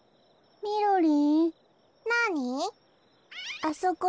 みみろりん。